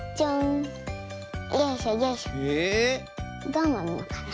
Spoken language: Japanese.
どうなんのかな。